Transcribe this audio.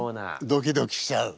ドキドキしちゃう。